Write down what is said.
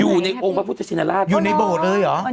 อยู่ในองค์พระพุทธชินราชอยู่ในโบสถ์เลยเหรอ